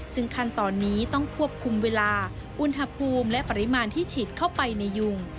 ซึ่งขั้นตอนนี้ต้องควบคุมเวลาอุณหภูมิและปริมาณที่ฉีดเข้าไปในยุง